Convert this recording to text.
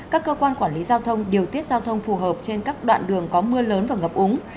các cơ quan quản lý giao thông điều tiết giao thông phù hợp trên các đoạn đường có mưa lớn và ngập úng